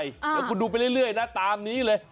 เดี๋ยวคุณดูไปเรื่อยนะตามนี้เลย